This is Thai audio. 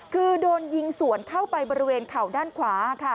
คือโดนยิงสวนเข้าไปบริเวณเข่าด้านขวาค่ะ